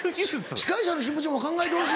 司会者の気持ちも考えてほしい。